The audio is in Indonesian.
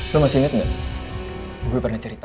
lo masih inget gak gue pernah cerita